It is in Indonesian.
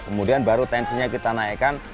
kemudian baru tensinya kita naikkan